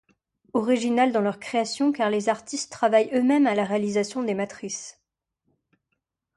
Originales dans leur création car les artistes travaillent eux-mêmes à la réalisation des matrices.